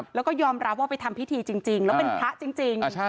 แล้วก็ยอมรับว่าไปทำพิธีจริงแล้วเป็นพระจริง